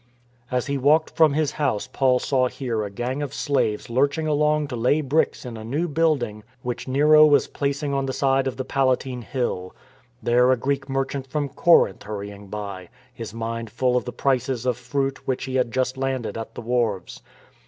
As he walked from his house Paul saw here a gang of slaves lurching along to lay bricks in a new building which Nero was placing on the side of the Palatine Hill; there a Greek merchant from Corinth hurrying by, his mind full of the prices of the fruit which he had just landed at the wharves.